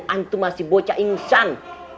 antum masih bocah ingusan